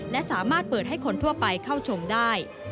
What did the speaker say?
และสามารถเปิดให้คนทั่วไปเข้าชมได้